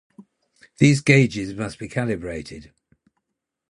These gauges must be calibrated.